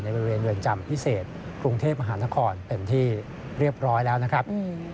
บริเวณเรือนจำพิเศษกรุงเทพมหานครเป็นที่เรียบร้อยแล้วนะครับ